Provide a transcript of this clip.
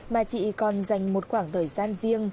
mà chị còn dành một khoảng thời gian riêng